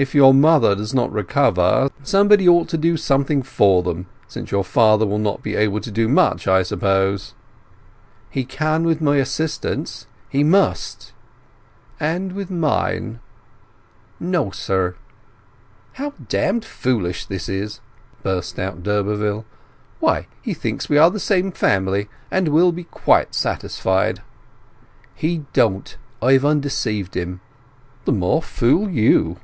"If your mother does not recover, somebody ought to do something for them; since your father will not be able to do much, I suppose?" "He can with my assistance. He must!" "And with mine." "No, sir!" "How damned foolish this is!" burst out d'Urberville. "Why, he thinks we are the same family; and will be quite satisfied!" "He don't. I've undeceived him." "The more fool you!"